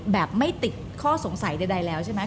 แบบไม่ติดข้อสงสัยใดแล้วใช่ไหม